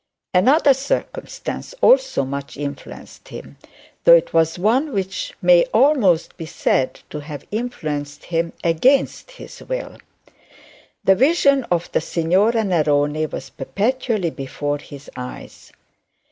Another circumstance also much influenced him, though it was one which may almost be said to have influenced him against his will. The vision of Signora Neroni was perpetually before his eyes.